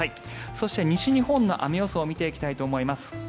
そして西日本の雨予想を見ていきたいと思います。